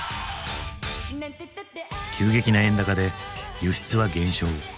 急激な円高で輸出は減少。